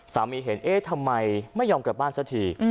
สามีเห็นเอ๊ะทำไมไม่ยอมกลับบ้านเสร็จที